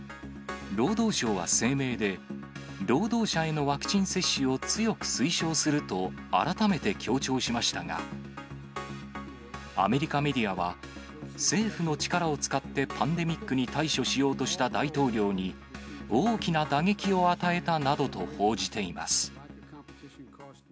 労働省は声明で、労働者へのワクチン接種を強く推奨すると改めて強調しましたが、アメリカメディアは、政府の力を使ってパンデミックに対処しようとした大統領に、大きな打撃を与えたなどと報じています。